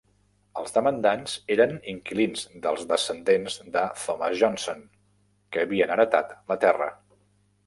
Els demandants eren inquilins dels descendents de Thomas Johnson, que havien heretat la terra.